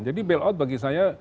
jadi bailout bagi saya